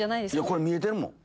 これ見えてるもん。